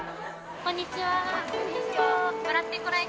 こんにちは。